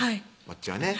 わっちはね